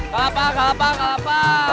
kelapa kelapa kelapa